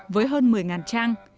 với hơn một mươi trang